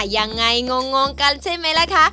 ยังไงงงกันใช่ไหมล่ะคะ